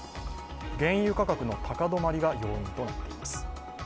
原油価格の高止まりが要因となっています。